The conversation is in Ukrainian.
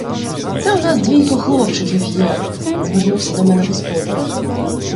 Це у нас двійко хлопчиків є, — звернувся до мене господар.